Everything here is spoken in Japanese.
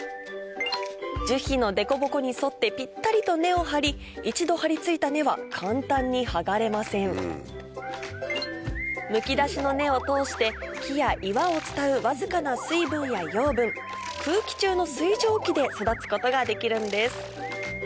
樹皮の凸凹に沿ってピッタリと根を張り一度張り付いた根は簡単に剥がれませんむき出しの根を通して木や岩を伝うわずかな水分や養分空気中の水蒸気で育つことができるんです